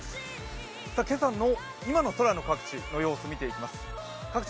今朝の今の空の各地の様子を見ていきます。